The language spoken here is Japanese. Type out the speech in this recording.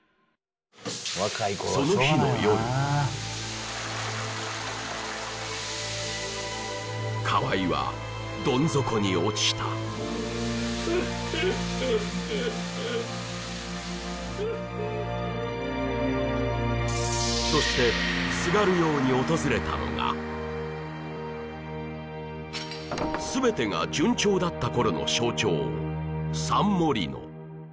その日の夜河合はどん底に落ちたそしてすがるように訪れたのが全てが順調だった頃の象徴サンモリノ